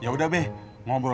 nah agak kenapa